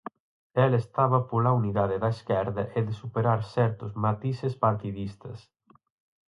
El estaba pola unidade da esquerda e de superar certos matices partidistas.